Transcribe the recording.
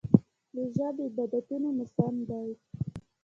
روژه د عبادتونو موسم دی.